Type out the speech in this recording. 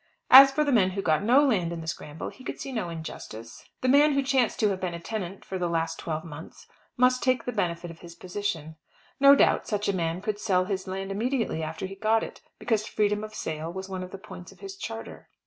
As for the men who got no land in the scramble he could see no injustice. The man who chanced to have been a tenant for the last twelve months, must take the benefit of his position. No doubt such man could sell his land immediately after he got it, because Freedom of Sale was one of the points of his charter.